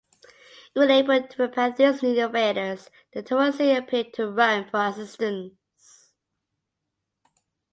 Unable to repel these new invaders, the Taurisci appealed to Rome for assistance.